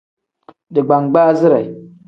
Digbangbaazire.